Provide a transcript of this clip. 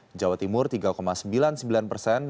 di jawa timur tiga sembilan puluh sembilan persen